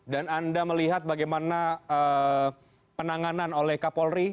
dan anda melihat bagaimana penanganan oleh kapolri